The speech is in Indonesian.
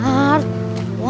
masih mau kerja